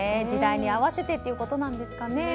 時代に合わせてということですね。